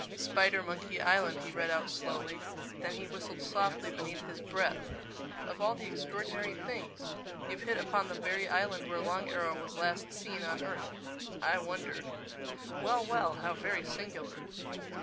"Spidermonkey Island," he read out slowly. Then he whistled softly beneath his breath. "Of all the extraordinary things! You've hit upon the very island where Long Arrow was last seen on earth—I wonder—Well, well! How very singular!"